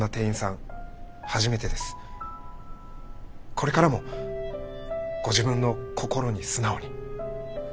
これからもご自分の心に素直に。